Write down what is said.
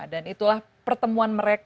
dan itulah pertemuan mereka